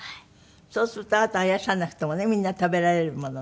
そうするとあなたがいらっしゃらなくてもねみんな食べられるものね。